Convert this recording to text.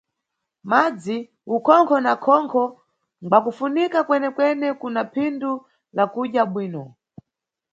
Madzi, ukhonkho na khonkho ngwakufunika kwenekwene kuna phindu la kudya bwino.